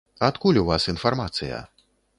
Адкуль у вас інфармацыя?